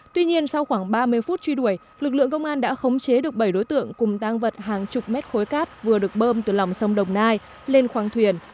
tuy nhiên sau khoảng ba mươi phút truy đuổi lực lượng công an đã khống chế được bảy đối tượng cùng tăng vật hàng chục mét khối cát vừa được bơm từ lòng sông đồng nai lên khoang thuyền